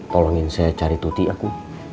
tolongin saya cari tuti aku